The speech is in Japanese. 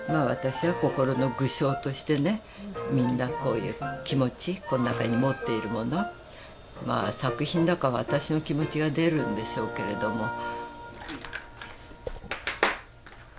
私は心の具象としてねみんなこういう気持ちこの中に持っているものまあ作品だから私の気持ちが出るんでしょうけれども。